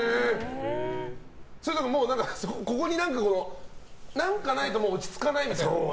それはここに何かないと落ち着かないみたいな？